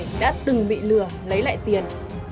các đối tượng đã từng bị lừa lấy lại tiền